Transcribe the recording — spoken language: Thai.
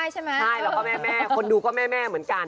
ใช่แล้วก็แม่คนดูก็แม่เหมือนกัน